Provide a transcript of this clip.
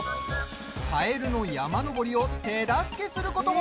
カエルの山登りを手助けすることも。